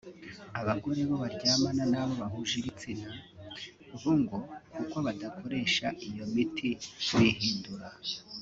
Abagore bo baryamana na bo bahuje ibitsina bo ngo kuko badakoresha iyo miti bihindura